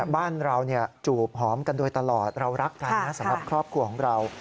บ้านเราจูบหอมกันโดยตลอดเรารักกันนะสำหรับครอบครัวของเรา